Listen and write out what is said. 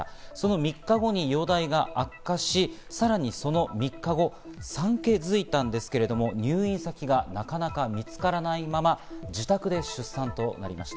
３日後に容体が悪化し、さらにその３日後、産気づいたんですけれども、入院先がなかなか見つからないまま自宅で出産となりました。